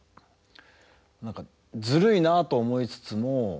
何かずるいなと思いつつも。